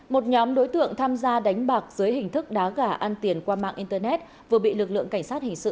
một nhóm đối tượng tham gia đánh bạc dưới hình thức đá gà ăn tiền qua mạng internet vừa bị lực lượng cảnh sát hình sự